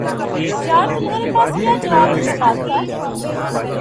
یار تمہارے پاس کیا جواب ہے اس بات کا